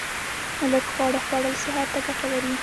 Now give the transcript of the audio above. لږ خواړه خوړل صحت ته ګټه لري